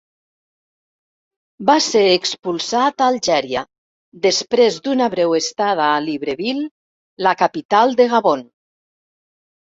Va ser expulsat a Algèria, després d'una breu estada a Libreville, la capital de Gabon.